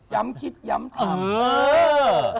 ย้ำคิดย้ำทำ